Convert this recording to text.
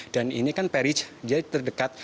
dan ini kan peris jadi terdekat